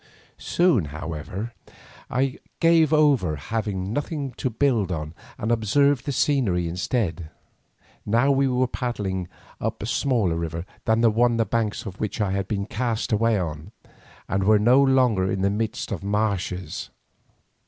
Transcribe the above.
Soon, however, I gave over, having nothing to build on, and observed the scenery instead. Now we were paddling up a smaller river than the one on the banks of which I had been cast away, and were no longer in the midst of marshes.